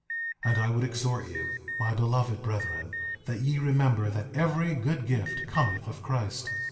10:18 And I would exhort you, my beloved brethren, that ye remember that every good gift cometh of Christ.